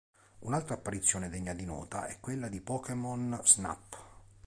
Un'altra apparizione degna di nota è quella di "Pokémon Snap".